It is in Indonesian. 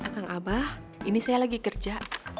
kang abah ini saya lagi kerja